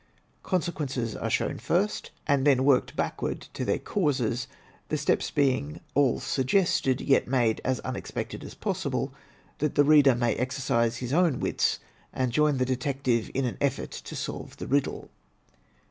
Consequences are first shown, and 26 THE TECHNIQUE OF THE MYSTERY STORY then worked backward to their causes, the steps bemg all suggested, yet made as unexpected as possible, that the reader may exercise his own wits and join the detective in an effort to solve the riddle.